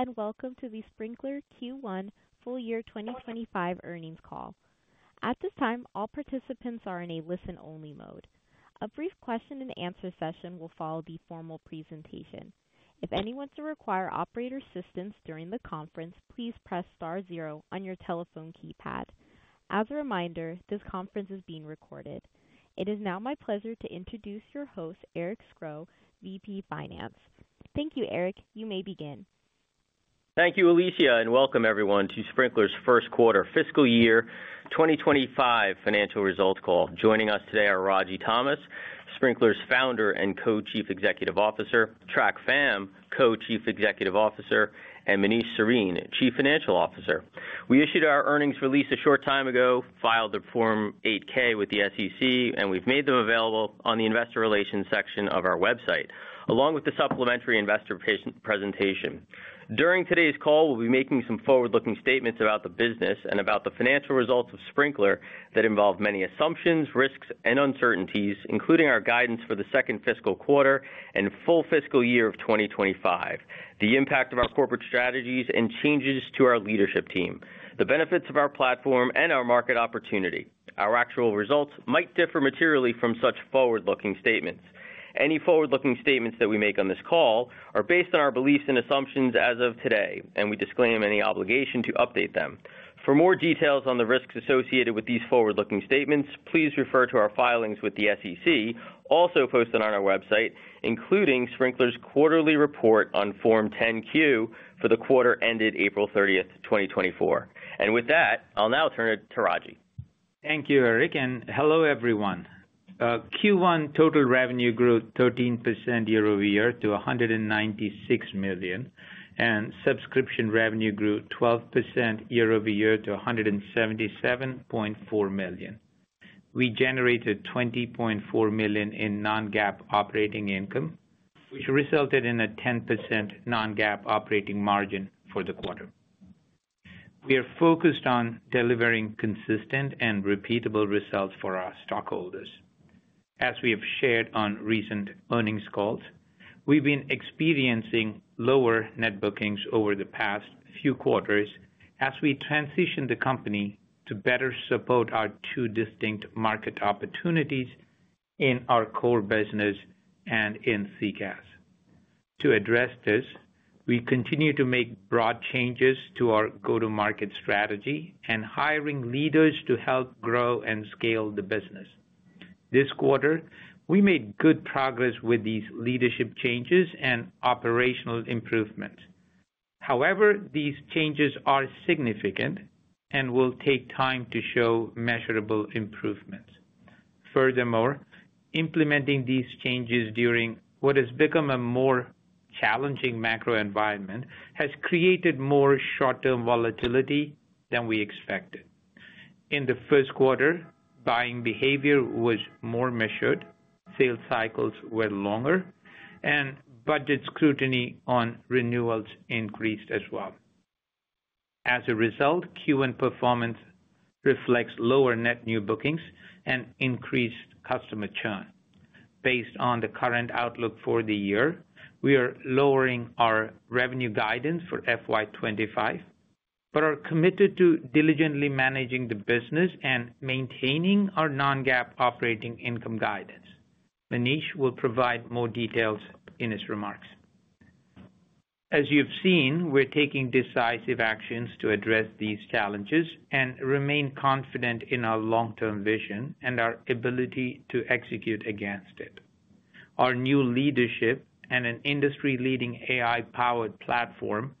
Greetings, and welcome to the Sprinklr Q1 full year 2025 earnings call. At this time, all participants are in a listen-only mode. A brief question and answer session will follow the formal presentation. If anyone wants to require operator assistance during the conference, please press * zero on your telephone keypad. As a reminder, this conference is being recorded. It is now my pleasure to introduce your host, Eric Scro, VP Finance. Thank you, Eric. You may begin. Thank you, Alicia, and welcome everyone to Sprinklr's first quarter fiscal year 2025 financial results call. Joining us today are Ragy Thomas, Sprinklr's founder and Co-Chief Executive Officer, Trac Pham, Co-Chief Executive Officer, and Manish Sarin, Chief Financial Officer. We issued our earnings release a short time ago, filed a Form 8-K with the SEC, and we've made them available on the investor relations section of our website, along with the supplementary investor presentation. During today's call, we'll be making some forward-looking statements about the business and about the financial results of Sprinklr that involve many assumptions, risks, and uncertainties, including our guidance for the second fiscal quarter and full fiscal year of 2025, the impact of our corporate strategies and changes to our leadership team, the benefits of our platform, and our market opportunity. Our actual results might differ materially from such forward-looking statements. Any forward-looking statements that we make on this call are based on our beliefs and assumptions as of today, and we disclaim any obligation to update them. For more details on the risks associated with these forward-looking statements, please refer to our filings with the SEC, also posted on our website, including Sprinklr's quarterly report on Form 10-Q for the quarter ended April 30, 2024. With that, I'll now turn it to Ragy. Thank you, Eric, and hello, everyone. Q1 total revenue grew 13% year-over-year to $196 million, and subscription revenue grew 12% year-over-year to $177.4 million. We generated $20.4 million in non-GAAP operating income, which resulted in a 10% non-GAAP operating margin for the quarter. We are focused on delivering consistent and repeatable results for our stockholders. As we have shared on recent earnings calls, we've been experiencing lower net bookings over the past few quarters as we transition the company to better support our two distinct market opportunities in our core business and in CCaaS. To address this, we continue to make broad changes to our go-to-market strategy and hiring leaders to help grow and scale the business. This quarter, we made good progress with these leadership changes and operational improvements. However, these changes are significant and will take time to show measurable improvements. Furthermore, implementing these changes during what has become a more challenging macro environment has created more short-term volatility than we expected. In the first quarter, buying behavior was more measured, sales cycles were longer, and budget scrutiny on renewals increased as well. As a result, Q1 performance reflects lower net new bookings and increased customer churn. Based on the current outlook for the year, we are lowering our revenue guidance for FY 2025, but are committed to diligently managing the business and maintaining our non-GAAP operating income guidance. Manish will provide more details in his remarks. As you've seen, we're taking decisive actions to address these challenges and remain confident in our long-term vision and our ability to execute against it. Our new leadership and an industry-leading AI-powered platform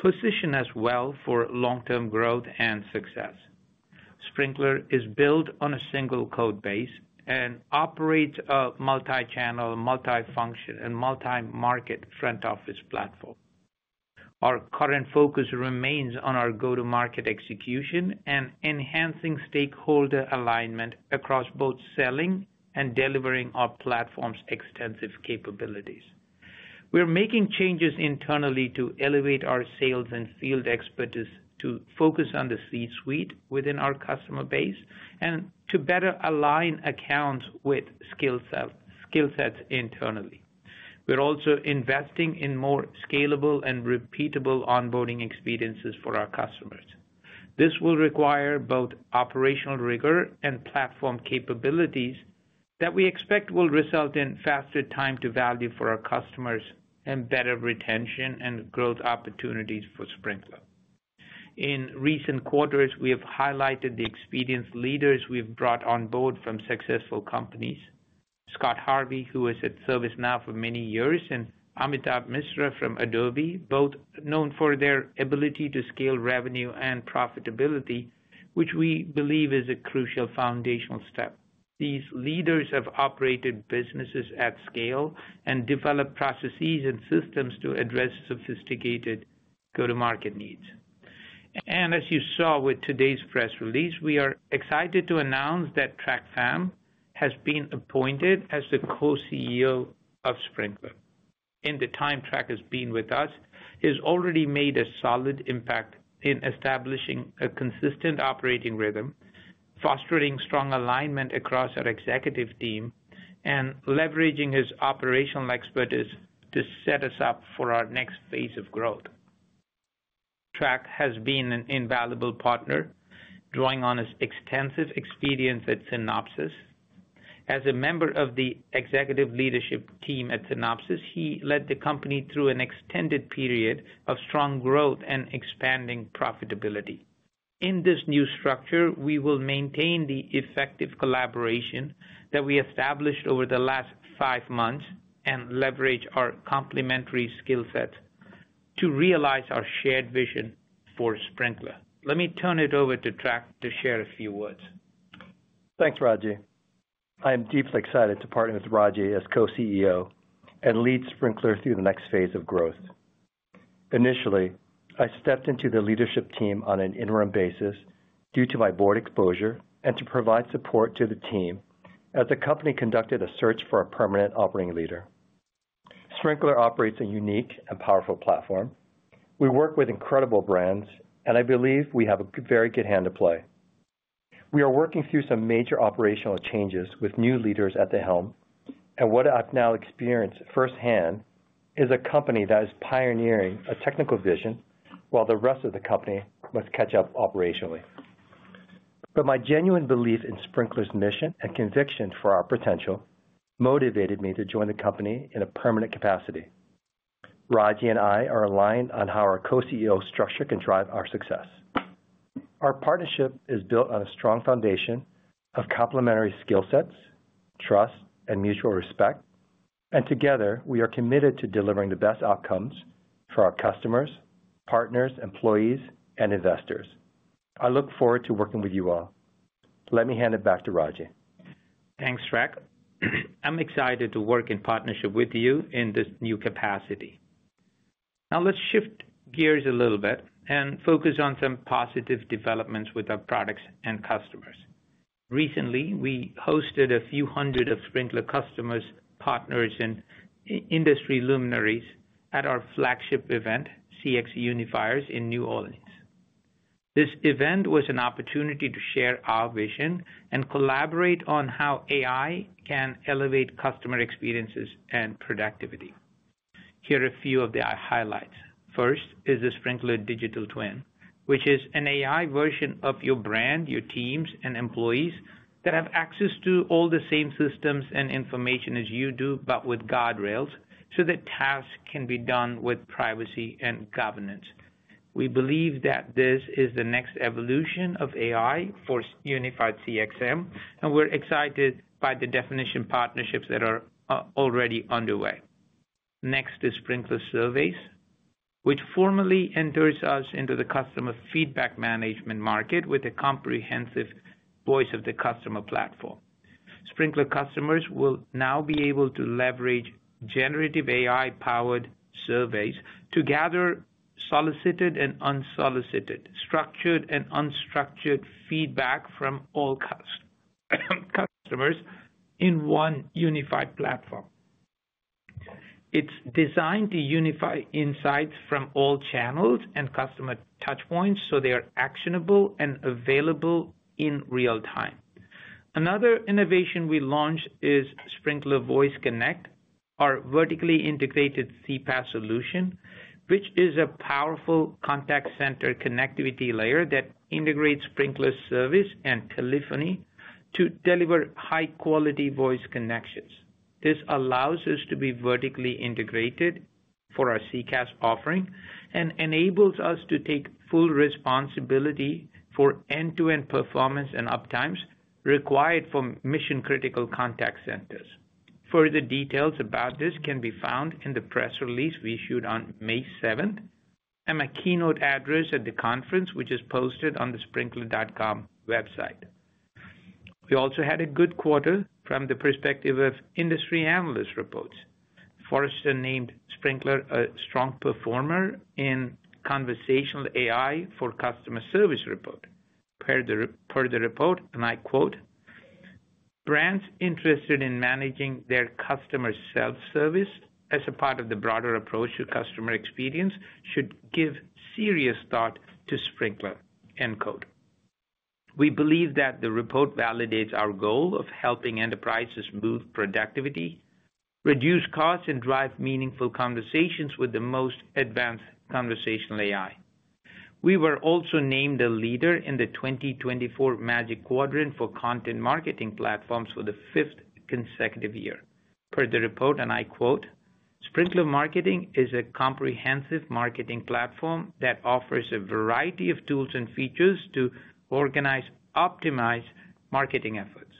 position us well for long-term growth and success. Sprinklr is built on a single code base and operates a multi-channel, multi-function, and multi-market front office platform. Our current focus remains on our go-to-market execution and enhancing stakeholder alignment across both selling and delivering our platform's extensive capabilities. We are making changes internally to elevate our sales and field expertise, to focus on the C-suite within our customer base, and to better align accounts with skill set, skill sets internally. We're also investing in more scalable and repeatable onboarding experiences for our customers. This will require both operational rigor and platform capabilities that we expect will result in faster time to value for our customers and better retention and growth opportunities for Sprinklr. In recent quarters, we have highlighted the experienced leaders we've brought on board from successful companies. Scott Harvey, who is at ServiceNow for many years, and Amitabh Misra from Adobe, both known for their ability to scale revenue and profitability, which we believe is a crucial foundational step. These leaders have operated businesses at scale and developed processes and systems to address sophisticated go-to-market needs. As you saw with today's press release, we are excited to announce that Trac Pham has been appointed as the co-CEO of Sprinklr. In the time Trac has been with us, he's already made a solid impact in establishing a consistent operating rhythm, fostering strong alignment across our executive team, and leveraging his operational expertise to set us up for our next phase of growth. Trac has been an invaluable partner, drawing on his extensive experience at Synopsys. As a member of the executive leadership team at Synopsys, he led the company through an extended period of strong growth and expanding profitability. In this new structure, we will maintain the effective collaboration that we established over the last five months and leverage our complementary skill sets to realize our shared vision for Sprinklr. Let me turn it over to Trac to share a few words. Thanks, Ragy. I'm deeply excited to partner with Ragy as Co-CEO and lead Sprinklr through the next phase of growth. Initially, I stepped into the leadership team on an interim basis due to my board exposure and to provide support to the team as the company conducted a search for a permanent operating leader. Sprinklr operates a unique and powerful platform. We work with incredible brands, and I believe we have a very good hand to play. We are working through some major operational changes with new leaders at the helm, and what I've now experienced firsthand is a company that is pioneering a technical vision while the rest of the company must catch up operationally. But my genuine belief in Sprinklr's mission and conviction for our potential motivated me to join the company in a permanent capacity. Ragy and I are aligned on how our co-CEO structure can drive our success. Our partnership is built on a strong foundation of complementary skill sets, trust, and mutual respect, and together, we are committed to delivering the best outcomes for our customers, partners, employees, and investors. I look forward to working with you all. Let me hand it back to Ragy. Thanks, Trac. I'm excited to work in partnership with you in this new capacity. Now let's shift gears a little bit and focus on some positive developments with our products and customers. Recently, we hosted a few hundred of Sprinklr customers, partners, and industry luminaries at our flagship event, CX Unifiers, in New Orleans. This event was an opportunity to share our vision and collaborate on how AI can elevate customer experiences and productivity. Here are a few of the highlights: First is the Sprinklr Digital Twin, which is an AI version of your brand, your teams, and employees that have access to all the same systems and information as you do, but with guardrails, so that tasks can be done with privacy and governance. We believe that this is the next evolution of AI for unified CXM, and we're excited by the definition partnerships that are already underway. Next is Sprinklr Surveys, which formally enters us into the customer feedback management market with a comprehensive voice of the customer platform. Sprinklr customers will now be able to leverage generative AI-powered surveys to gather solicited and unsolicited, structured and unstructured feedback from all customers in one unified platform. It's designed to unify insights from all channels and customer touchpoints, so they are actionable and available in real time. Another innovation we launched is Sprinklr Voice Connect, our vertically integrated CPaaS solution, which is a powerful contact center connectivity layer that integrates Sprinklr's service and telephony to deliver high-quality voice connections. This allows us to be vertically integrated for our CCaaS offering and enables us to take full responsibility for end-to-end performance and uptimes required from mission-critical contact centers. Further details about this can be found in the press release we issued on May seventh, and my keynote address at the conference, which is posted on the Sprinklr.com website. We also had a good quarter from the perspective of industry analyst reports. Forrester named Sprinklr a strong performer in conversational AI for customer service report. Per the report, and I quote, "Brands interested in managing their customer self-service as a part of the broader approach to customer experience should give serious thought to Sprinklr," end quote. We believe that the report validates our goal of helping enterprises boost productivity, reduce costs, and drive meaningful conversations with the most advanced conversational AI. We were also named a leader in the 2024 Magic Quadrant for Content Marketing Platforms for the fifth consecutive year. Per the report, and I quote, "Sprinklr Marketing is a comprehensive marketing platform that offers a variety of tools and features to organize, optimize marketing efforts."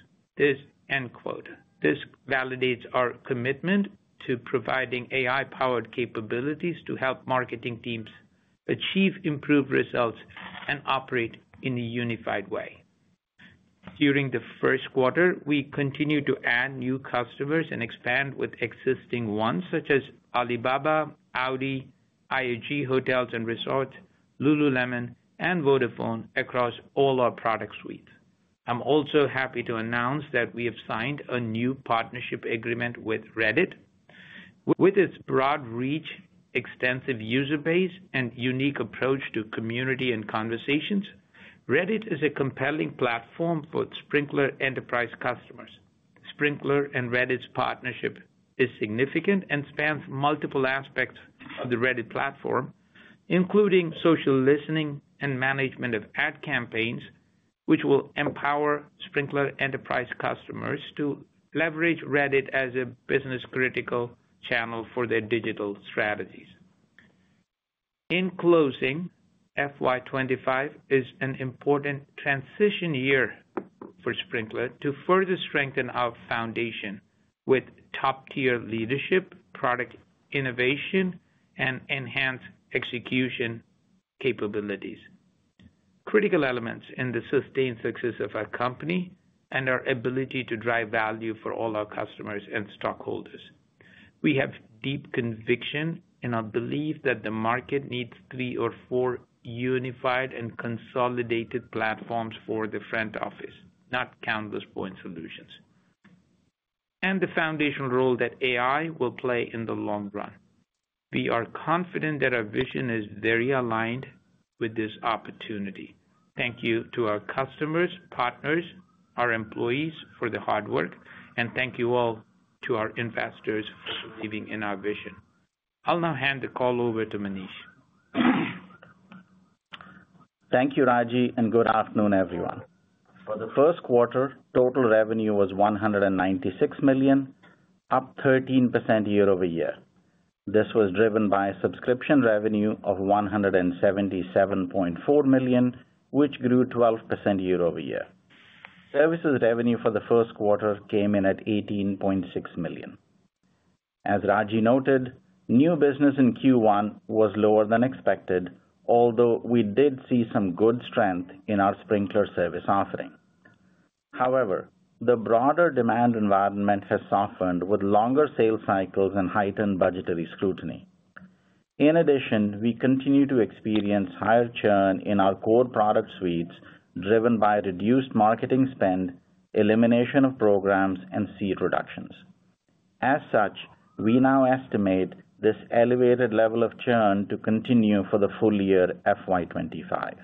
End quote. This validates our commitment to providing AI-powered capabilities to help marketing teams achieve improved results and operate in a unified way. During the first quarter, we continued to add new customers and expand with existing ones, such as Alibaba, Audi, IHG Hotels & Resorts, Lululemon, and Vodafone across all our product suites. I'm also happy to announce that we have signed a new partnership agreement with Reddit. With its broad reach, extensive user base, and unique approach to community and conversations, Reddit is a compelling platform for Sprinklr enterprise customers. Sprinklr and Reddit's partnership is significant and spans multiple aspects of the Reddit platform, including social listening and management of ad campaigns, which will empower Sprinklr enterprise customers to leverage Reddit as a business-critical channel for their digital strategies. In closing, FY 25 is an important transition year for Sprinklr to further strengthen our foundation with top-tier leadership, product innovation, and enhanced execution capabilities, critical elements in the sustained success of our company and our ability to drive value for all our customers and stockholders. We have deep conviction in our belief that the market needs three or four unified and consolidated platforms for the front office, not countless point solutions, and the foundational role that AI will play in the long run. We are confident that our vision is very aligned with this opportunity. Thank you to our customers, partners, our employees for their hard work, and thank you all to our investors for believing in our vision. I'll now hand the call over to Manish. Thank you, Ragy, and good afternoon, everyone. For the first quarter, total revenue was $196 million, up 13% year-over-year. This was driven by subscription revenue of $177.4 million, which grew 12% year-over-year. Services revenue for the first quarter came in at $18.6 million. As Ragy noted, new business in Q1 was lower than expected, although we did see some good strength in our Sprinklr service offering. However, the broader demand environment has softened, with longer sales cycles and heightened budgetary scrutiny. In addition, we continue to experience higher churn in our core product suites, driven by reduced marketing spend, elimination of programs, and seat reductions. As such, we now estimate this elevated level of churn to continue for the full year FY 2025.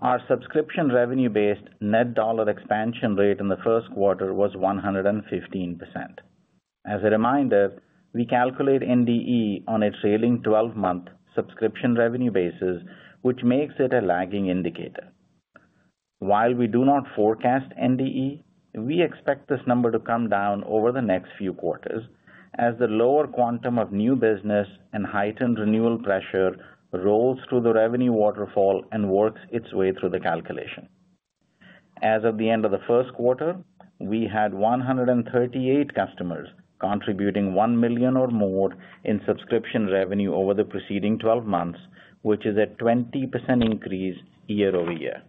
Our subscription revenue-based net dollar expansion rate in the first quarter was 115%. As a reminder, we calculate NDE on a trailing twelve-month subscription revenue basis, which makes it a lagging indicator. While we do not forecast NDE, we expect this number to come down over the next few quarters as the lower quantum of new business and heightened renewal pressure rolls through the revenue waterfall and works its way through the calculation. As of the end of the first quarter, we had 138 customers contributing $1 million or more in subscription revenue over the preceding twelve months, which is a 20% increase year-over-year.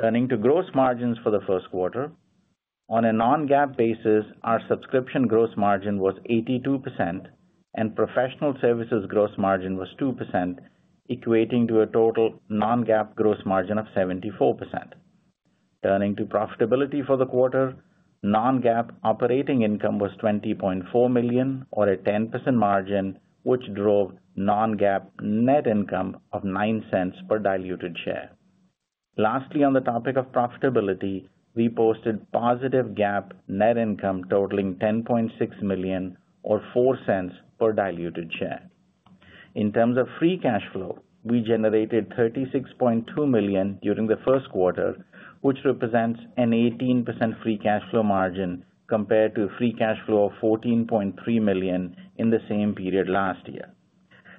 Turning to gross margins for the first quarter, on a non-GAAP basis, our subscription gross margin was 82%, and professional services gross margin was 2%, equating to a total non-GAAP gross margin of 74%. Turning to profitability for the quarter, non-GAAP operating income was $20.4 million, or a 10% margin, which drove non-GAAP net income of $0.09 per diluted share. Lastly, on the topic of profitability, we posted positive GAAP net income totaling $10.6 million, or $0.04 per diluted share. In terms of free cash flow, we generated $36.2 million during the first quarter, which represents an 18% free cash flow margin compared to free cash flow of $14.3 million in the same period last year.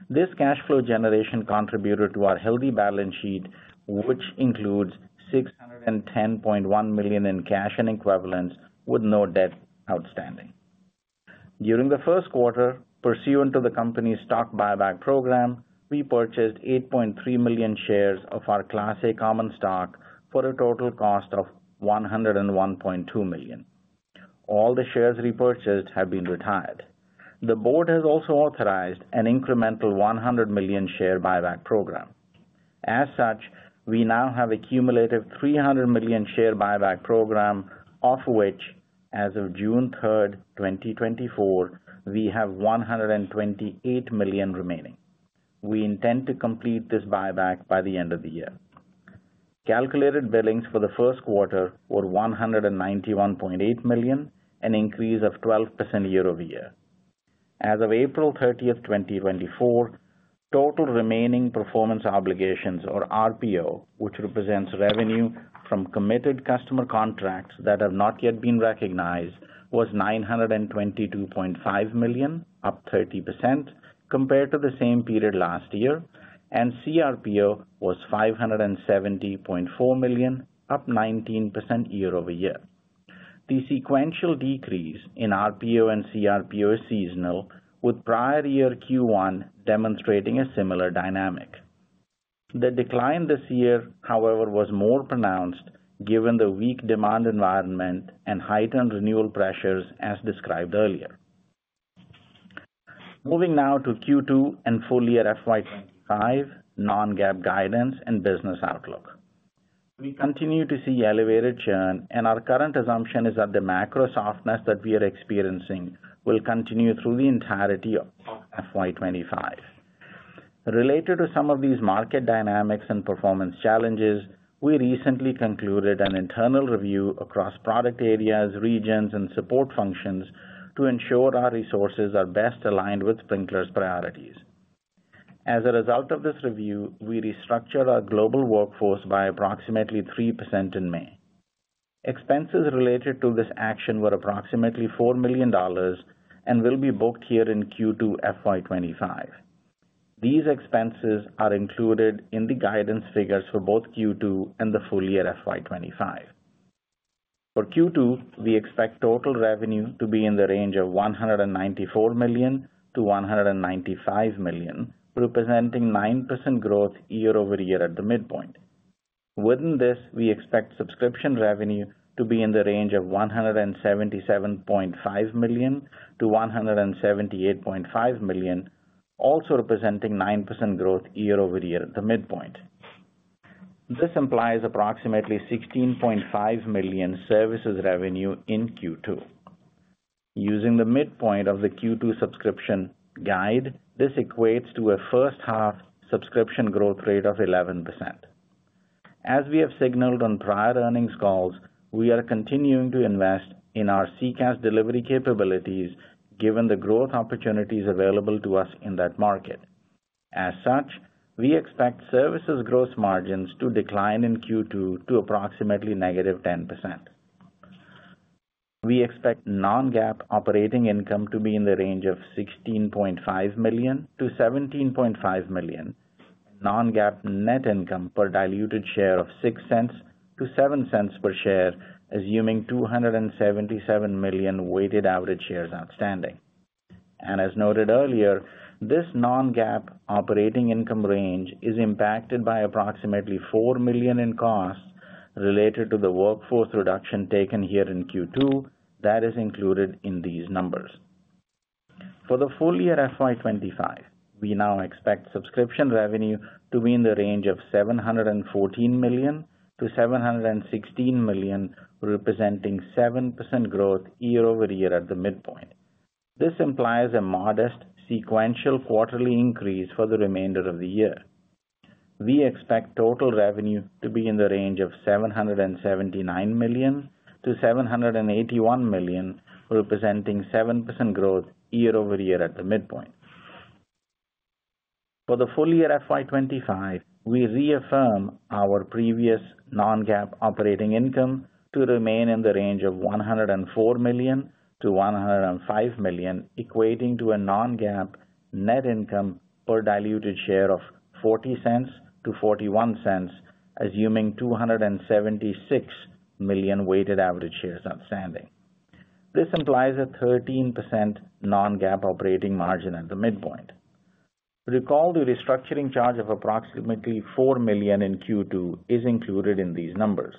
This cash flow generation contributed to our healthy balance sheet, which includes $610.1 million in cash and equivalents, with no debt outstanding. During the first quarter, pursuant to the company's stock buyback program, we purchased 8.3 million shares of our Class A common stock for a total cost of $101.2 million. All the shares repurchased have been retired. The board has also authorized an incremental 100 million share buyback program. As such, we now have accumulated 300 million share buyback program, of which, as of June 3rd, 2024, we have 128 million remaining. We intend to complete this buyback by the end of the year. Calculated billings for the first quarter were $191.8 million, an increase of 12% year-over-year. As of April 30, 2024, total remaining performance obligations, or RPO, which represents revenue from committed customer contracts that have not yet been recognized, was $922.5 million, up 30% compared to the same period last year, and CRPO was $570.4 million, up 19% year-over-year. The sequential decrease in RPO and CRPO is seasonal, with prior year Q1 demonstrating a similar dynamic. The decline this year, however, was more pronounced given the weak demand environment and heightened renewal pressures, as described earlier.... Moving now to Q2 and full year FY 2025, non-GAAP guidance and business outlook. We continue to see elevated churn, and our current assumption is that the macro softness that we are experiencing will continue through the entirety of FY 2025. Related to some of these market dynamics and performance challenges, we recently concluded an internal review across product areas, regions, and support functions to ensure our resources are best aligned with Sprinklr's priorities. As a result of this review, we restructured our global workforce by approximately 3% in May. Expenses related to this action were approximately $4 million and will be booked here in Q2 FY 2025. These expenses are included in the guidance figures for both Q2 and the full year FY 2025. For Q2, we expect total revenue to be in the range of $194 million-$195 million, representing 9% growth year-over-year at the midpoint. Within this, we expect subscription revenue to be in the range of $177.5 million-$178.5 million, also representing 9% growth year-over-year at the midpoint. This implies approximately $16.5 million services revenue in Q2. Using the midpoint of the Q2 subscription guide, this equates to a first-half subscription growth rate of 11%. As we have signaled on prior earnings calls, we are continuing to invest in our CCaaS delivery capabilities, given the growth opportunities available to us in that market. As such, we expect services gross margins to decline in Q2 to approximately -10%. We expect non-GAAP operating income to be in the range of $16.5 million-$17.5 million. Non-GAAP net income per diluted share of $0.06-$0.07 per share, assuming 277 million weighted average shares outstanding. And as noted earlier, this non-GAAP operating income range is impacted by approximately $4 million in costs related to the workforce reduction taken here in Q2. That is included in these numbers. For the full year FY 2025, we now expect subscription revenue to be in the range of $714 million-$716 million, representing 7% growth year-over-year at the midpoint. This implies a modest sequential quarterly increase for the remainder of the year. We expect total revenue to be in the range of $779 million-$781 million, representing 7% growth year-over-year at the midpoint. For the full year FY 2025, we reaffirm our previous non-GAAP operating income to remain in the range of $104 million-$105 million, equating to a non-GAAP net income per diluted share of $0.40-$0.41, assuming 276 million weighted average shares outstanding. This implies a 13% non-GAAP operating margin at the midpoint. Recall, the restructuring charge of approximately $4 million in Q2 is included in these numbers.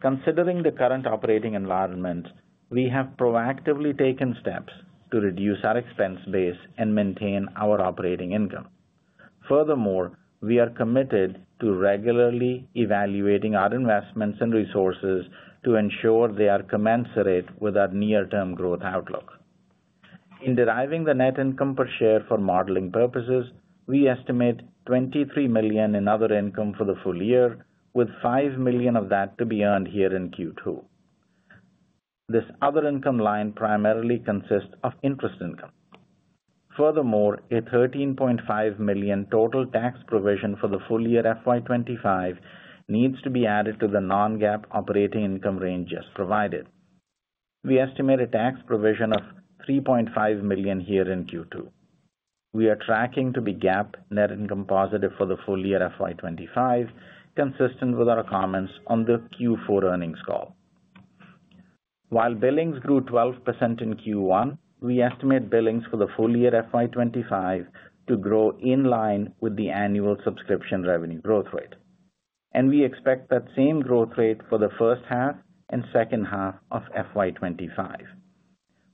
Considering the current operating environment, we have proactively taken steps to reduce our expense base and maintain our operating income. Furthermore, we are committed to regularly evaluating our investments and resources to ensure they are commensurate with our near-term growth outlook. In deriving the net income per share for modeling purposes, we estimate $23 million in other income for the full year, with $5 million of that to be earned here in Q2. This other income line primarily consists of interest income. Furthermore, a $13.5 million total tax provision for the full year FY 2025 needs to be added to the non-GAAP operating income range just provided. We estimate a tax provision of $3.5 million here in Q2. We are tracking to be GAAP net income positive for the full year FY 2025, consistent with our comments on the Q4 earnings call. While billings grew 12% in Q1, we estimate billings for the full year FY 2025 to grow in line with the annual subscription revenue growth rate, and we expect that same growth rate for the first half and second half of FY 2025.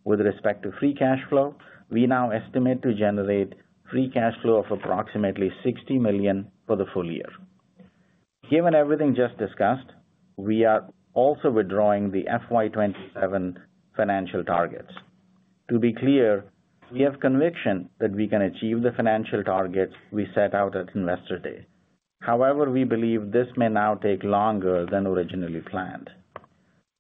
With respect to free cash flow, we now estimate to generate free cash flow of approximately $60 million for the full year. Given everything just discussed, we are also withdrawing the FY 2027 financial targets. To be clear, we have conviction that we can achieve the financial targets we set out at Investor Day. However, we believe this may now take longer than originally planned.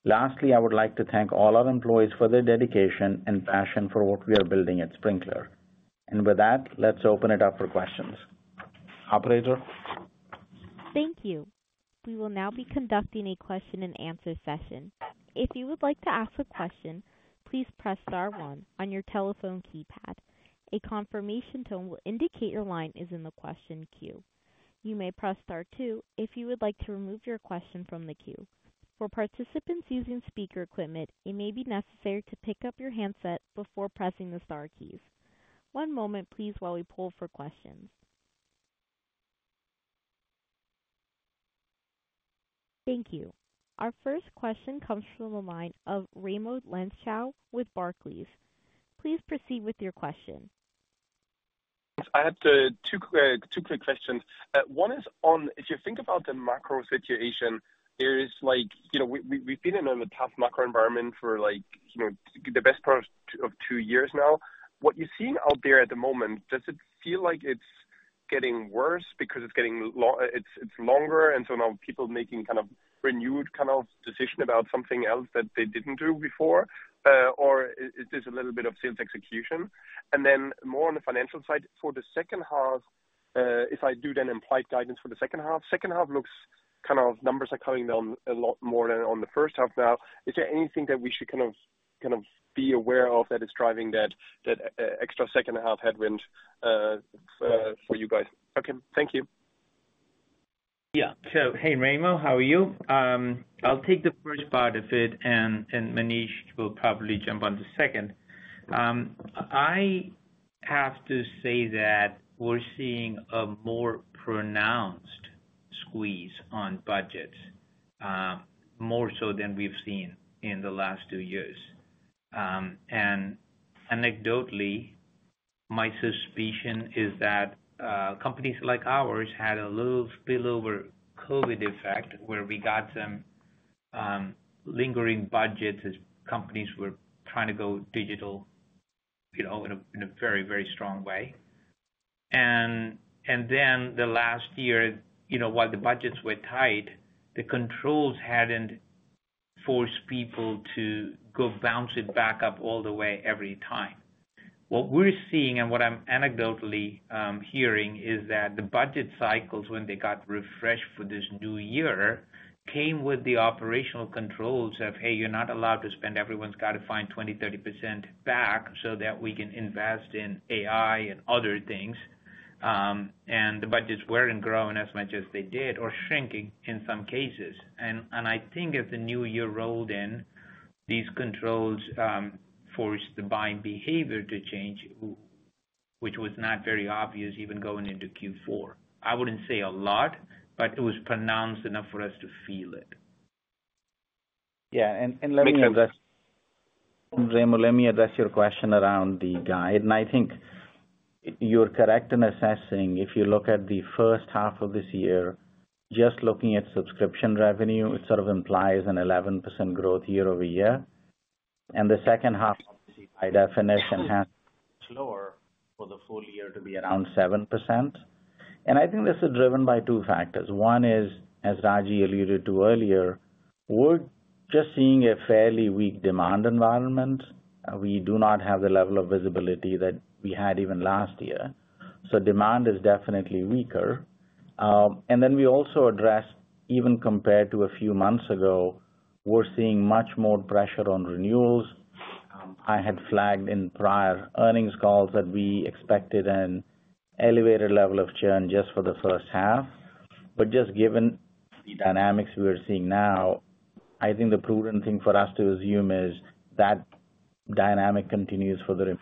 Lastly, I would like to thank all our employees for their dedication and passion for what we are building at Sprinklr. And with that, let's open it up for questions. Operator? Thank you. We will now be conducting a question-and-answer session. If you would like to ask a question, please press * one on your telephone keypad. A confirmation tone will indicate your line is in the question queue. You may press * two if you would like to remove your question from the queue. For participants using speaker equipment, it may be necessary to pick up your handset before pressing the * keys. One moment, please, while we pull for questions... Thank you. Our first question comes from the line of Raimo Lenschow with Barclays. Please proceed with your question. I have two quick questions. One is on if you think about the macro situation, there is like, you know, we've been in a tough macro environment for like, you know, the best part of two years now. What you're seeing out there at the moment, does it feel like it's getting worse because it's getting long, it's longer, and so now people making kind of renewed kind of decision about something else that they didn't do before? Or is this a little bit of sales execution? And then more on the financial side, for the second half, if I do the implied guidance for the second half. Second half looks kind of numbers are coming down a lot more than on the first half now. Is there anything that we should kind of be aware of that is driving that extra second half headwind for you guys? Okay, thank you. Yeah. So, hey, Raimo, how are you? I'll take the first part of it, and Manish will probably jump on the second. I have to say that we're seeing a more pronounced squeeze on budgets, more so than we've seen in the last two years. And anecdotally, my suspicion is that companies like ours had a little spillover COVID effect, where we got some lingering budgets as companies were trying to go digital, you know, in a very, very strong way. And then the last year, you know, while the budgets were tight, the controls hadn't forced people to go bounce it back up all the way, every time. What we're seeing and what I'm anecdotally hearing is that the budget cycles, when they got refreshed for this new year, came with the operational controls of, hey, you're not allowed to spend. Everyone's got to find 20%-30% back so that we can invest in AI and other things. And the budgets weren't growing as much as they did or shrinking in some cases. And I think as the new year rolled in, these controls forced the buying behavior to change, which was not very obvious even going into Q4. I wouldn't say a lot, but it was pronounced enough for us to feel it. Yeah, and let me address, Raimo, your question around the guide, and I think you're correct in assessing, if you look at the first half of this year, just looking at subscription revenue, it sort of implies an 11% growth year-over-year. And the second half, by definition, has slower for the full year to be around 7%. And I think this is driven by two factors. One is, as Ragy alluded to earlier, we're just seeing a fairly weak demand environment. We do not have the level of visibility that we had even last year, so demand is definitely weaker. And then we also addressed, even compared to a few months ago, we're seeing much more pressure on renewals. I had flagged in prior earnings calls that we expected an elevated level of churn just for the first half, but just given the dynamics we're seeing now, I think the prudent thing for us to assume is that dynamic continues for the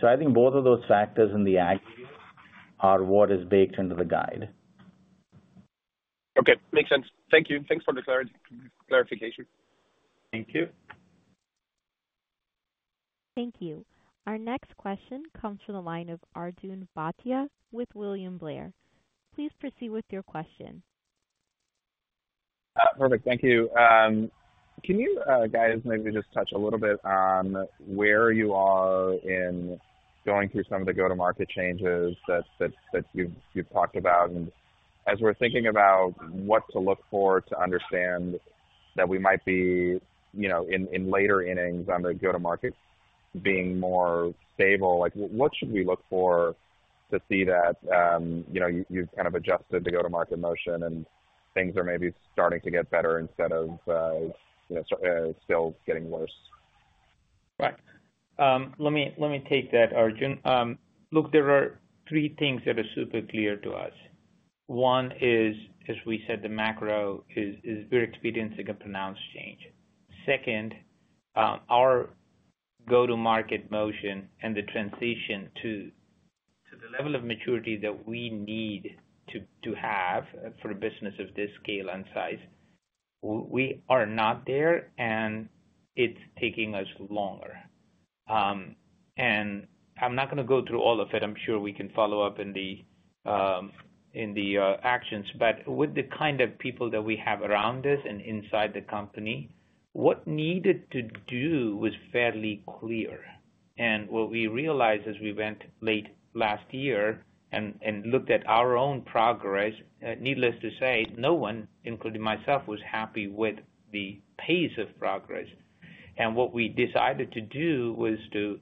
rest. Yeah. So I think both of those factors in the ag are what is baked into the guide. Okay, makes sense. Thank you. Thanks for the clarity, clarification. Thank you. Thank you. Our next question comes from the line of Arjun Bhatia with William Blair. Please proceed with your question. Perfect. Thank you. Can you, guys, maybe just touch a little bit on where you are in going through some of the go-to-market changes that you've talked about? As we're thinking about what to look for to understand that we might be, you know, in later innings on the go-to-market being more stable, like, what should we look for to see that, you know, you've kind of adjusted the go-to-market motion and things are maybe starting to get better instead of, you know, still getting worse? Right. Let me take that, Arjun. Look, there are three things that are super clear to us. One is, as we said, the macro is we're experiencing a pronounced change. Second, our go-to-market motion and the transition to the level of maturity that we need to have for a business of this scale and size, we are not there, and it's taking us longer. And I'm not gonna go through all of it. I'm sure we can follow up in the actions, but with the kind of people that we have around us and inside the company, what needed to do was fairly clear. And what we realized as we went late last year and looked at our own progress, needless to say, no one, including myself, was happy with the pace of progress. What we decided to do was to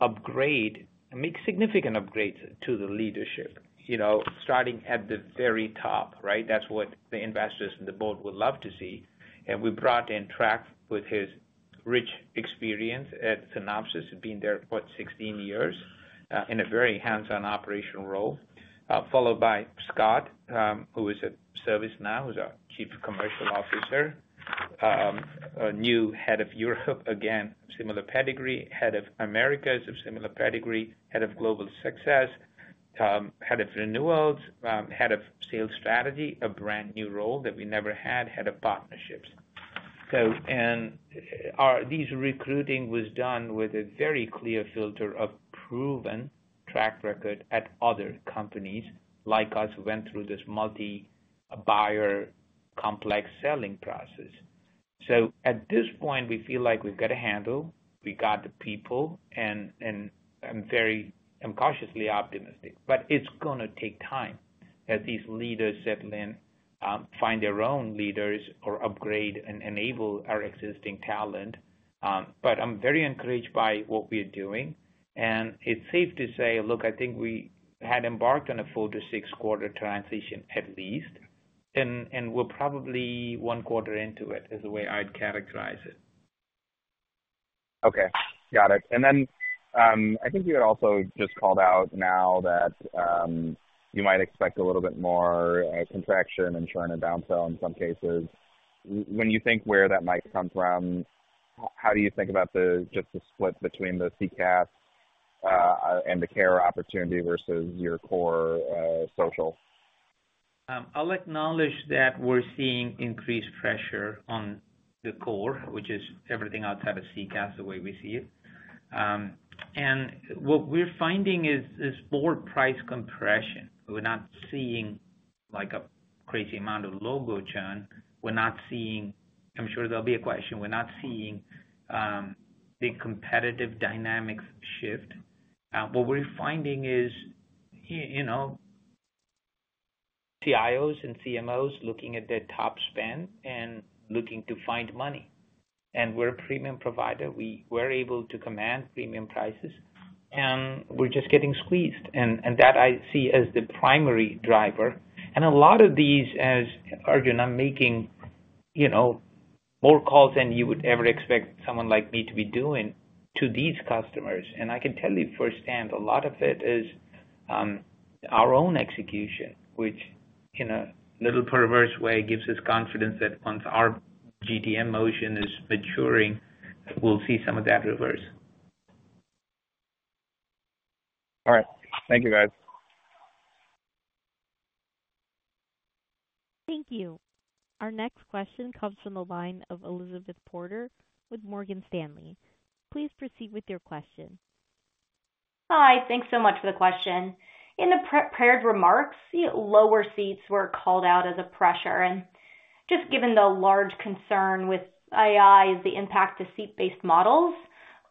upgrade, make significant upgrades to the leadership, you know, starting at the very top, right? That's what the investors and the board would love to see. We brought in Trac with his rich experience at Synopsys, been there for 16 years, in a very hands-on operational role. Followed by Scott, who is at ServiceNow, who's our new head of Europe. Again, similar pedigree, head of Americas of similar pedigree, head of global success, head of renewals, head of sales strategy, a brand new role that we never had, head of partnerships. So, our recruiting was done with a very clear filter of proven track record at other companies like us, who went through this multi-buyer complex selling process. So at this point, we feel like we've got a handle, we got the people, and, and I'm very-- I'm cautiously optimistic. But it's gonna take time as these leaders settle in, find their own leaders, or upgrade and enable our existing talent. But I'm very encouraged by what we are doing, and it's safe to say: look, I think we had embarked on a 4-6 quarter transition at least, and, and we're probably 1 quarter into it, is the way I'd characterize it. Okay, got it. And then, I think you had also just called out now that you might expect a little bit more contraction and churn or downfall in some cases. When you think where that might come from, how do you think about the just the split between the CCaaS and the care opportunity versus your core social? I'll acknowledge that we're seeing increased pressure on the core, which is everything outside of CCaaS, the way we see it. And what we're finding is more price compression. We're not seeing, like, a crazy amount of logo churn. We're not seeing... I'm sure there'll be a question. We're not seeing the competitive dynamics shift. What we're finding is, you know, CIOs and CMOs looking at their top spend and looking to find money. And we're a premium provider. We were able to command premium prices, and we're just getting squeezed. And that I see as the primary driver. And a lot of these, as Arjun, I'm making, you know, more calls than you would ever expect someone like me to be doing to these customers. I can tell you firsthand, a lot of it is our own execution, which in a little perverse way, gives us confidence that once our GTM motion is maturing, we'll see some of that reverse. All right. Thank you, guys. Thank you. Our next question comes from the line of Elizabeth Porter with Morgan Stanley. Please proceed with your question. Hi. Thanks so much for the question. In the pre-prepared remarks, the lower seats were called out as a pressure. Just given the large concern with AI, the impact to seat-based models,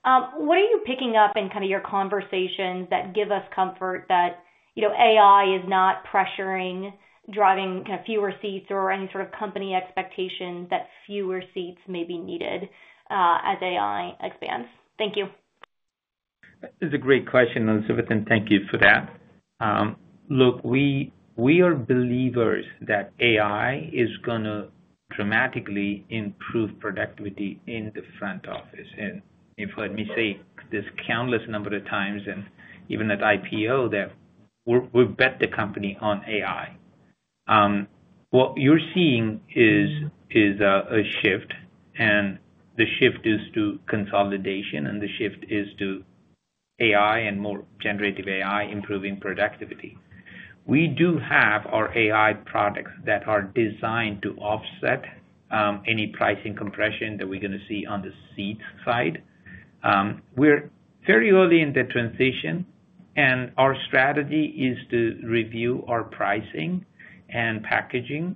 what are you picking up in kind of your conversations that give us comfort that, you know, AI is not pressuring, driving, kind of, fewer seats or any sort of company expectations that fewer seats may be needed, as AI expands? Thank you. That is a great question, Elizabeth, and thank you for that. Look, we are believers that AI is gonna dramatically improve productivity in the front office. You've heard me say this countless number of times, and even at IPO, that we bet the company on AI. What you're seeing is a shift, and the shift is to consolidation, and the shift is to AI and more generative AI, improving productivity. We do have our AI products that are designed to offset any pricing compression that we're gonna see on the seat side. We're very early in the transition, and our strategy is to review our pricing and packaging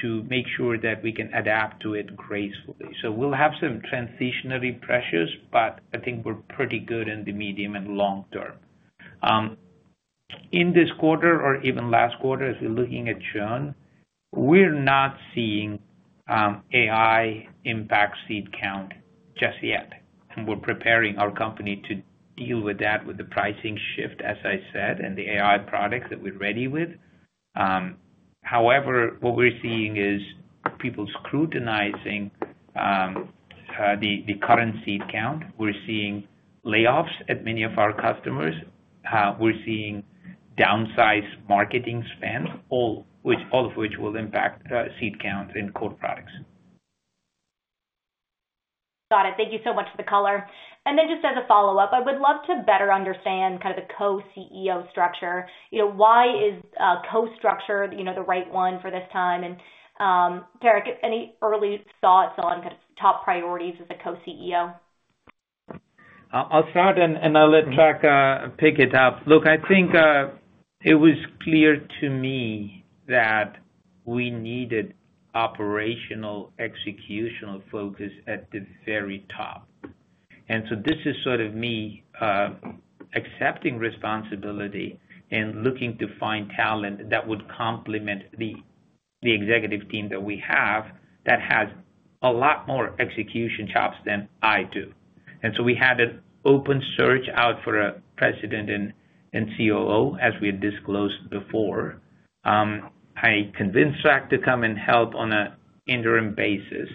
to make sure that we can adapt to it gracefully. We'll have some transitionary pressures, but I think we're pretty good in the medium and long term. In this quarter or even last quarter, as we're looking at June, we're not seeing AI impact seat count just yet. We're preparing our company to deal with that with the pricing shift, as I said, and the AI products that we're ready with. However, what we're seeing is people scrutinizing the current seat count. We're seeing layoffs at many of our customers. We're seeing downsized marketing spend, all of which will impact seat count in core products. Got it. Thank you so much for the color. And then just as a follow-up, I would love to better understand kind of the co-CEO structure. You know, why is co-structure, you know, the right one for this time? And, Derek, any early thoughts on kind of top priorities as a co-CEO? I'll start, and I'll let Trac pick it up. Look, I think it was clear to me that we needed operational executional focus at the very top. And so this is sort of me accepting responsibility and looking to find talent that would complement the executive team that we have, that has a lot more execution chops than I do. And so we had an open search out for a president and COO, as we had disclosed before. I convinced Trac to come and help on an interim basis.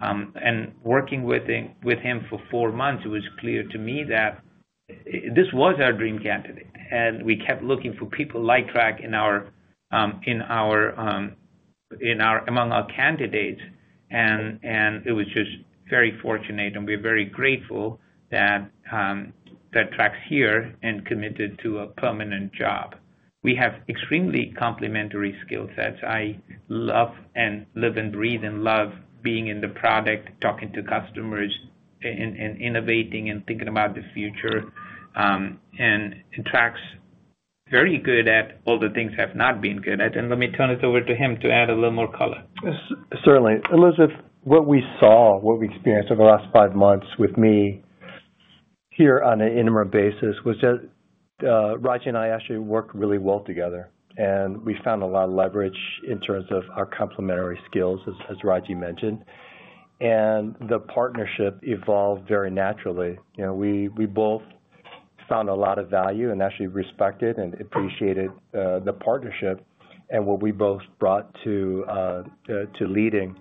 And working with him for four months, it was clear to me that this was our dream candidate, and we kept looking for people like Trac among our candidates. It was just very fortunate, and we're very grateful that Trac's here and committed to a permanent job. We have extremely complementary skill sets. I love and live and breathe and love being in the product, talking to customers, and innovating and thinking about the future. Trac's very good at all the things I have not been good at. Let me turn it over to him to add a little more color. Yes, certainly. Elizabeth, what we saw, what we experienced over the last five months with me here on an interim basis, was that, Ragy and I actually worked really well together, and we found a lot of leverage in terms of our complementary skills, as Ragy mentioned. The partnership evolved very naturally. You know, we both found a lot of value and actually respected and appreciated the partnership and what we both brought to leading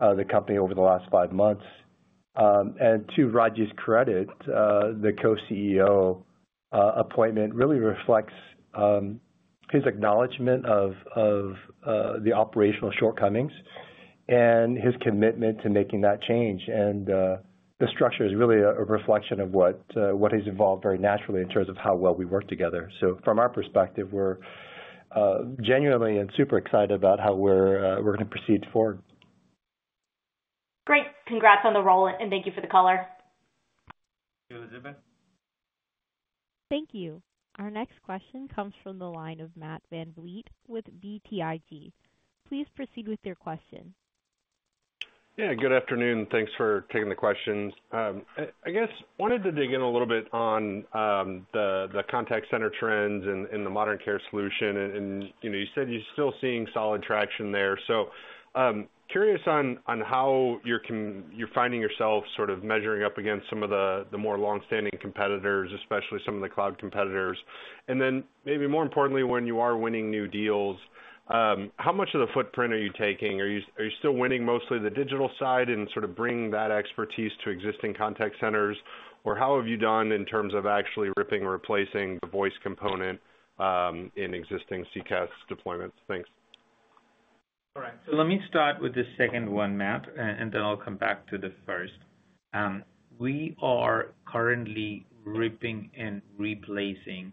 the company over the last five months. To Ragy's credit, the co-CEO appointment really reflects his acknowledgement of the operational shortcomings and his commitment to making that change. The structure is really a reflection of what has evolved very naturally in terms of how well we work together. From our perspective, we're genuinely and super excited about how we're going to proceed forward. Great! Congrats on the role, and thank you for the color. Thank you, Elizabeth. Thank you. Our next question comes from the line of Matt Van Fleet with BTIG. Please proceed with your question. Yeah, good afternoon, and thanks for taking the questions. I guess wanted to dig in a little bit on the contact center trends and the modern care solution. And you know, you said you're still seeing solid traction there. So, curious on how you're finding yourself sort of measuring up against some of the more long-standing competitors, especially some of the cloud competitors. And then maybe more importantly, when you are winning new deals, how much of the footprint are you taking? Are you still winning mostly the digital side and sort of bringing that expertise to existing contact centers? Or how have you done in terms of actually ripping and replacing the voice component in existing CCaaS deployments? Thanks. All right. So let me start with the second one, Matt, and then I'll come back to the first. We are currently ripping and replacing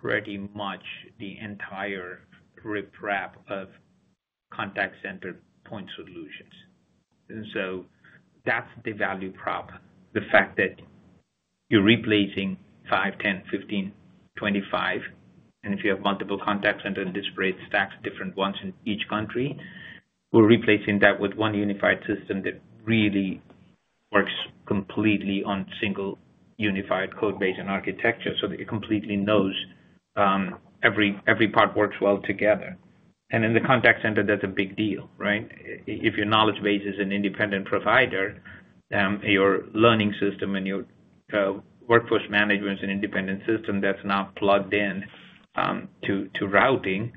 pretty much the entire rip and replace of contact center point solutions. And so that's the value prop, the fact that you're replacing 5, 10, 15, 25, and if you have multiple contact center disparate stacks, different ones in each country, we're replacing that with one unified system that really works completely on single unified code base and architecture, so it completely knows every part works well together. And in the contact center, that's a big deal, right? If your knowledge base is an independent provider, your learning system and your workforce management is an independent system that's not plugged in to routing,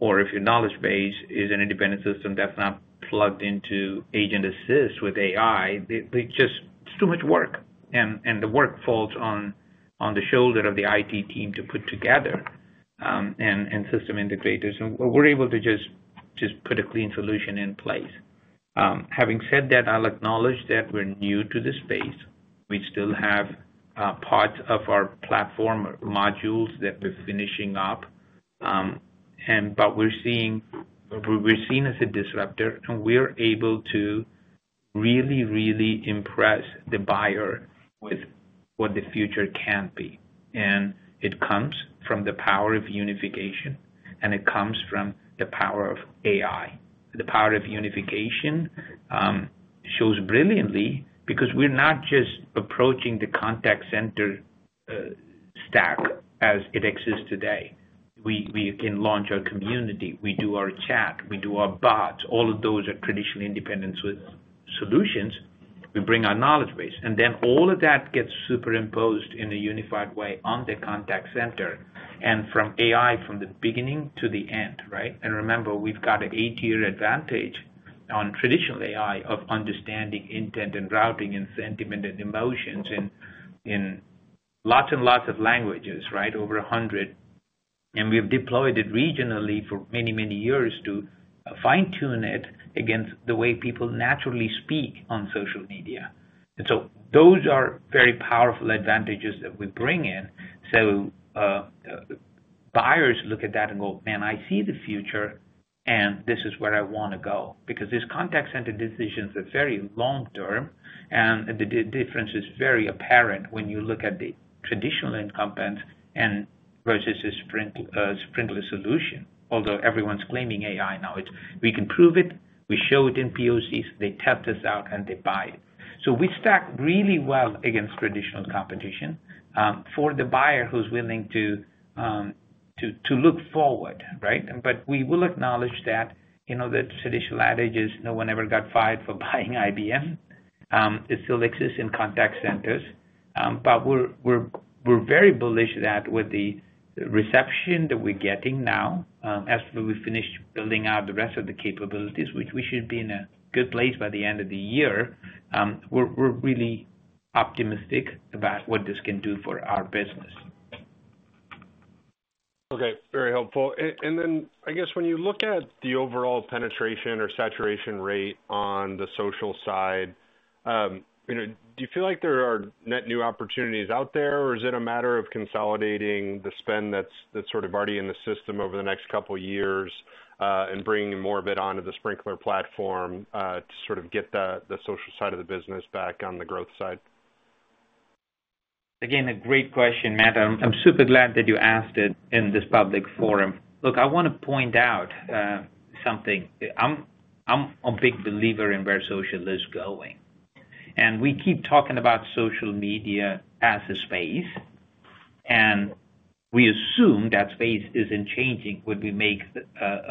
or if your knowledge base is an independent system that's not plugged into agent assist with AI, they just... It's too much work, and the work falls on the shoulder of the IT team to put together, and system integrators. And we're able to just put a clean solution in place. Having said that, I'll acknowledge that we're new to this space. We still have parts of our platform modules that we're finishing up. And but we're seen as a disruptor, and we're able to really impress the buyer with what the future can be. It comes from the power of unification, and it comes from the power of AI. The power of unification shows brilliantly because we're not just approaching the contact center stack as it exists today. We can launch our community, we do our chat, we do our bots. All of those are traditionally independent solutions. We bring our knowledge base, and then all of that gets superimposed in a unified way on the contact center, and from AI from the beginning to the end, right? And remember, we've got an 8-year advantage on traditional AI of understanding intent and routing and sentiment and emotions in lots and lots of languages, right? Over 100. And we've deployed it regionally for many, many years to fine-tune it against the way people naturally speak on social media. And so those are very powerful advantages that we bring in. So, buyers look at that and go, "Man, I see the future, and this is where I want to go." Because these contact center decisions are very long-term, and the difference is very apparent when you look at the traditional incumbents and versus a Sprinklr solution, although everyone's claiming AI now. It's we can prove it, we show it in POCs, they test us out and they buy it. So we stack really well against traditional competition, for the buyer who's willing to look forward, right? But we will acknowledge that, you know, the traditional adage is, no one ever got fired for buying IBM.... It still exists in contact centers. But we're very bullish that with the reception that we're getting now, as we finish building out the rest of the capabilities, which we should be in a good place by the end of the year, we're really optimistic about what this can do for our business. Okay, very helpful. And then I guess when you look at the overall penetration or saturation rate on the social side, you know, do you feel like there are net new opportunities out there, or is it a matter of consolidating the spend that's, that's sort of already in the system over the next couple of years, and bringing more of it onto the Sprinklr platform, to sort of get the, the social side of the business back on the growth side? Again, a great question, Matt. I'm super glad that you asked it in this public forum. Look, I want to point out something. I'm a big believer in where social is going, and we keep talking about social media as a space, and we assume that space isn't changing when we make